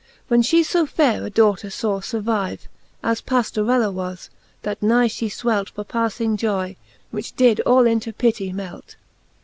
When fhe fo faire a daughter faw furvive, As Paftorella was, that nigh fhe fwelt For pafling joy, which did all into pitty melt.